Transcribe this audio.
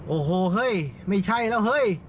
โอ้โหเฮ้ยไม่ใช่แล้วเฮ้ย